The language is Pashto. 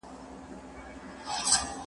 بې ځایه نیوکه د زده کوونکي زړه توروي.